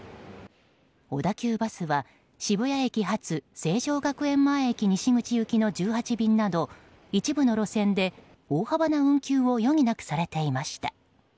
小田急バスは、渋谷駅発成城学園前駅西口行きの１８便など一部の路線で大幅な運休を余儀なくされていました。